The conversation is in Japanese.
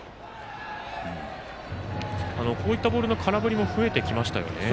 こういったボールの空振りも増えてきましたよね。